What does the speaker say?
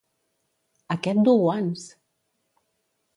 Aquest duu guants!